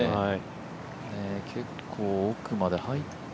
結構奥まで入って。